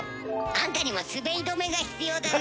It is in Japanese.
あんたにも滑り止めが必要だな。